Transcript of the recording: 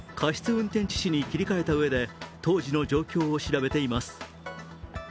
運転致死に切り替えたうえで当時の状況を調べています。